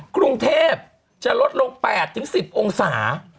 กรุงเทพจะลดลง๘๑๐องศา